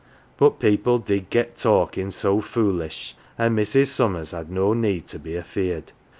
But people did get talkin' so foolish, an' Mrs. Summers had no need to be af eared.